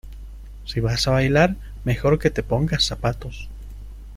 si vais a bailar, mejor que te pongas zapatos.